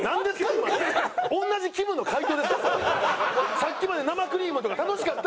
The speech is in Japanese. さっきまで「生クリーム」とか楽しかったやん。